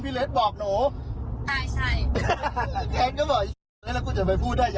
อืม